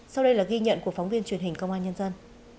sau đây là ghi nhận của phóng viên truyền hình công an nhân dân